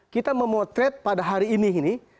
kita memotret pada hari ini ini